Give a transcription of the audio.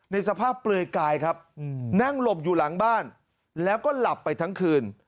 ในสภาพเปลือยกายครับนั่งหลบอยู่หลังบ้านแล้วก็หลับไปทั้งคืน